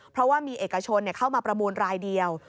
เพราะว่ามีเอกชนเข้ามาประมูลรายเดียว